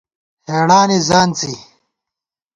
ہېڑانی ځانڅی